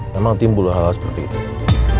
memang timbul hal hal seperti itu